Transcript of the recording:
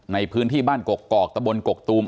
ในพื้นที่บ้านกกอกตะบนกกตูม